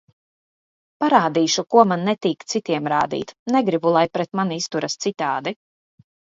Parādīšu, ko man netīk citiem rādīt, negribu, lai pret mani izturas citādi.